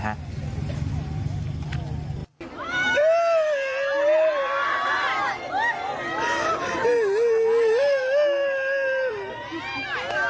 อุ๊ย